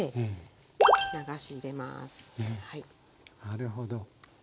なるほど。